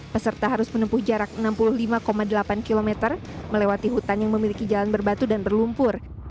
peserta harus menempuh jarak enam puluh lima delapan km melewati hutan yang memiliki jalan berbatu dan berlumpur